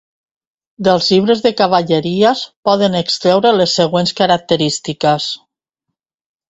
Dels llibres de cavalleries podem extreure les següents característiques.